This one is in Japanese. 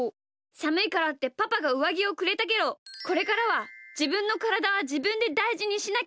さむいからってパパがうわぎをくれたけどこれからはじぶんのからだはじぶんでだいじにしなきゃダメだな！